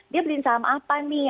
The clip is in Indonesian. dia beliin saham apa nih